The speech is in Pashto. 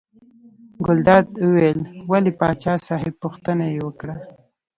ګلداد وویل ولې پاچا صاحب پوښتنه یې وکړه.